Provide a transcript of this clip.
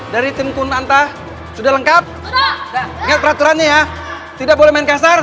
dari tim pun antah sudah lengkap peraturan ya tidak boleh main kasar